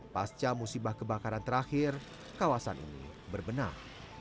pasca musibah kebakaran terakhir kawasan ini berbenah